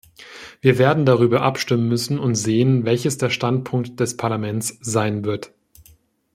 Wir werden darüber abstimmen müssen und sehen, welches der Standpunkt des Parlaments sein wird.